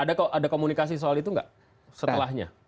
ada komunikasi soal itu enggak setelahnya